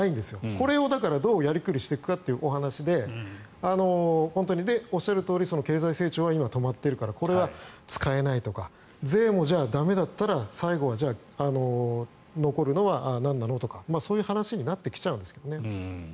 これをどうやりくりしていくかというお話でおっしゃるとおり経済成長は今、止まっているからこれは使えないとか税も、駄目だったら最後、残るのはなんなのとかそういう話になってきちゃうんですけどね。